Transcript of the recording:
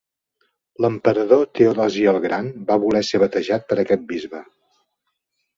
L'emperador Teodosi el gran va voler ser batejat per aquest bisbe.